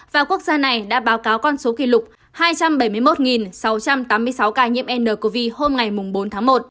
và quốc gia này đã báo cáo con số kỷ lục hai trăm bảy mươi một sáu trăm tám mươi sáu ca nhiễm ncov hôm bốn tháng một